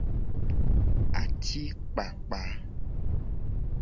Atikpakpa.